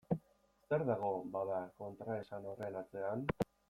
Zer dago, bada, kontraesan horren atzean?